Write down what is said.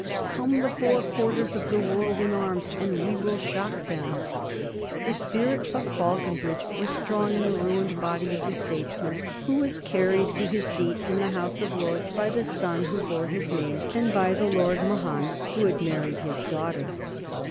"Come the four quarters of the world in arms and we will shock them." The spirit of Faulconbridge was strong in the ruined body of the statesman who was carried to his seat in the House of Lords by the son who bore his name and by the Lord Mahon who had married his daughter.